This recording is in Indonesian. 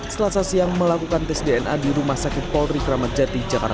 selasa siang melakukan tes dna di rumah sakit polri kramat jati jakarta